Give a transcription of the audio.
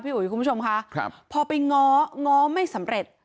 พี่อุ๋ยคุณผู้ชมครับครับพอไปง้อง้อไม่สำเร็จ